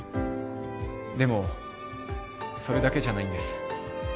でもそれだけじゃないんです